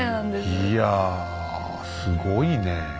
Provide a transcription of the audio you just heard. いやすごいねえ。